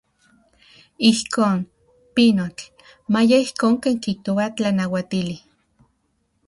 Ijkon, pinotl, maya ijkon ken kijtoa tlanauatili.